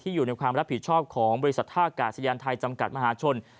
อยู่ในความรับผิดชอบของบริษัทท่ากาศยานไทยจำกัดมหาชน